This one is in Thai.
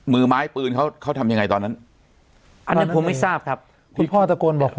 มือไม้ปืนเขาเขาทำยังไงตอนนั้นอันเนี้ยผมไม่ทราบครับคุณพ่อตะโกนบอก